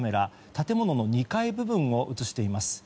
建物の２階部分を映しています。